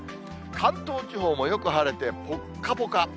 関東地方もよく晴れて、ぽっかぽか。